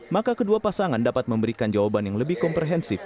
maka kedua pasangan dapat memberikan jawaban yang lebih komprehensif